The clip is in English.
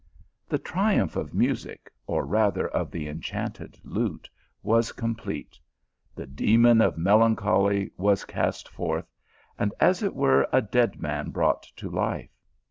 The triumph of music, or rather of the enchanted lute, was complete ; the demon of melancholy was cast forth ; and, as it were, a dead man brought to life.